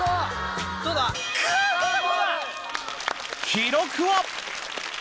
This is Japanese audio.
記録は？